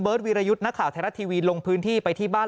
เบิร์ดวีรยุทนักข่าวแทรททีวีลงพื้นที่ไปที่บ้าน